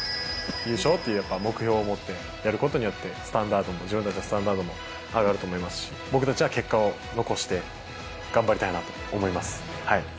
優勝ってやっぱり目標を持ってやることによって、自分たちのスタンダードも上がると思いますし、僕たちは結果を残して、頑張りたいなと思います。